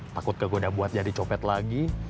takut kegoda buat jadi copet lagi